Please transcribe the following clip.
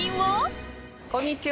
こんにちは。